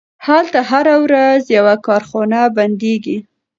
هلته هره ورځ یوه کارخونه بندیږي